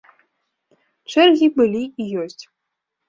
Чэргі былі і ёсць.